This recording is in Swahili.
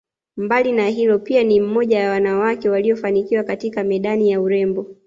Mbali na hilo pia ni mmoja ya wanawake waliofanikiwa katika medani ya urembo